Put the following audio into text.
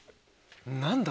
何だ？